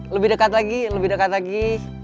lebih dekat lagi lebih dekat lagi